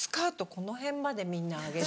この辺までみんな上げて。